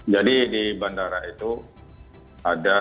jadi di bandara itu ada